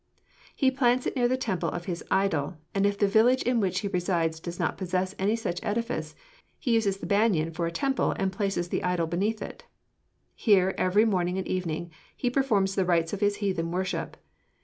He plants it near the temple of his idol; and if the village in which he resides does not possess any such edifice, he uses the banyan for a temple and places the idol beneath it. Here, every morning and evening, he performs the rites of his heathen worship.